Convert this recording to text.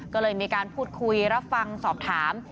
ก็เลยมีการพูดคุยรับฟังสอบถาม